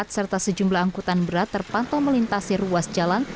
serta sejumlah angkutan berat terpantau melintasi ruas jalan